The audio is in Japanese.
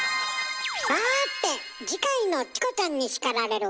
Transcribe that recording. さて次回の「チコちゃんに叱られる！」